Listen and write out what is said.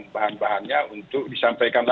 sudah yang berhasil ini semua berhasil